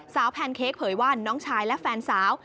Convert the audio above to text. แพนเค้กเผยว่าน้องชายและแฟนสาว